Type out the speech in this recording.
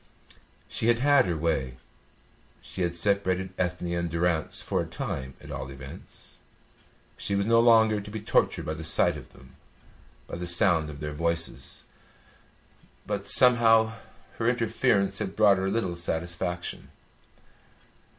She had had her way; she had separated Ethne and Durrance for a time at all events; she was no longer to be tortured by the sight of them and the sound of their voices; but somehow her interference had brought her little satisfaction.